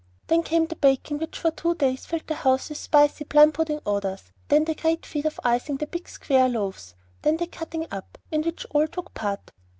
Then came the baking, which for two days filled the house with spicy, plum puddingy odors; then the great feat of icing the big square loaves; and then the cutting up, in which all took part.